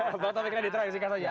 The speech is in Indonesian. pak taufik ini diteragisikan saja